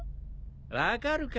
分かるか？